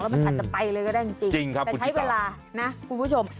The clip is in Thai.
มันอาจจะไปเลยก็ได้จริงแต่ใช้เวลานะคุณผู้ชม